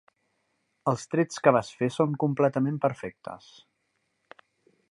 Els trets que vas fer són completament perfectes.